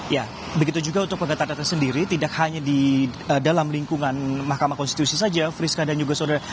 ya begitu juga untuk penggataan data sendiri tidak hanya di dalam lingkungan mahkamah konstitusi saja friska dan juga saudara